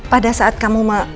pada saat kamu mau